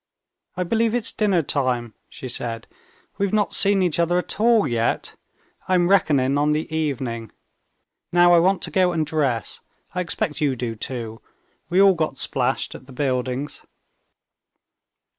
"I believe it's dinner time," she said. "We've not seen each other at all yet. I am reckoning on the evening. Now I want to go and dress. I expect you do too; we all got splashed at the buildings."